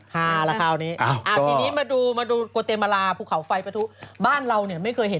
หาละคราวนี้อาทิตย์นี้มาดูกวเตมาราภูเขาไฟประทุบ้านเราไม่เคยเห็น